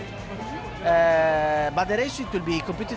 tapi perlengkapan akan berbeda dari tes